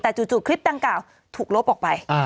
แต่จู่คลิปดังกล่าวถูกลบออกไป